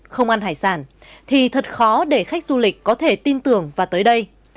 không ăn hải sản thì thật khó để khách du lịch có thể tin tưởng và tới đây